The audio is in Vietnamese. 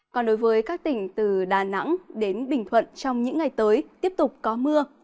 còn đối với các tỉnh từ đà nẵng đến bình thuận trong những ngày tới tiếp tục có mưa